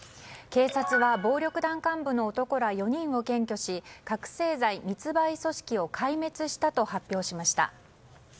警察は暴力団幹部の男ら４人を検挙し覚醒剤密売組織を壊滅したと発表しました。